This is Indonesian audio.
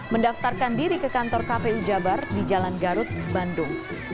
mendaftarkan diri ke kantor kpu jabar di jalan garut bandung